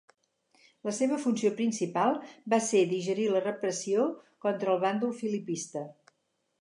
La seva funció principal va ser dirigir la repressió contra el bàndol filipista.